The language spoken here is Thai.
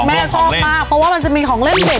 แม่ชอบมากเพราะว่ามันจะมีของเล่นเด็ก